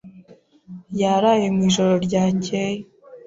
Yaraye mu ijoro ryakeye.